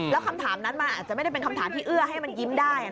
แล้วคำถามนั้นมันอาจจะไม่ได้เป็นคำถามที่เอื้อให้มันยิ้มได้